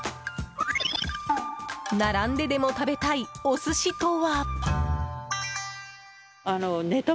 並んででも食べたいお寿司とは？